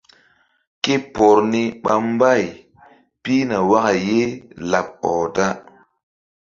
Ke por ni ɓa mbay pihna waka ye laɓ ɔh da.